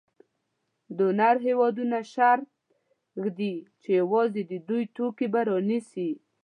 ډونر هېوادونه شرط ږدي چې یوازې د همدوی توکي به رانیسي.